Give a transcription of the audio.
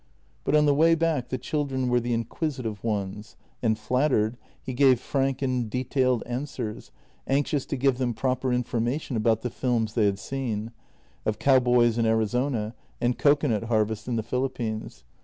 But on the way back the children were the inquisitive ones, and, flattered, he gave frank and detailed answers, anxious to give them proper information about the films they had seen — of cowboys in Arizona and cocoanut harvest in the Philippines.